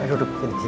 duduk di sini